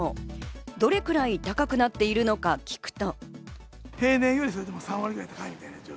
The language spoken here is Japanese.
どれくらい高くなっているのか聞くと。